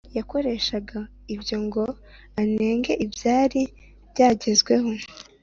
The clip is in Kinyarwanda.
yakoreshaga ibyo ngo anenge ibyari byagezweho